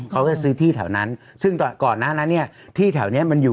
เขาก็ซื้อที่แถวนั้นซึ่งก่อนหน้านั้นเนี่ยที่แถวเนี้ยมันอยู่